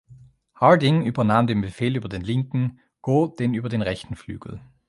Hardinge übernahm den Befehl über den linken, Gough den über den rechten Flügel.